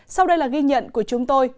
sau đây là ghi nhận của chúng tôi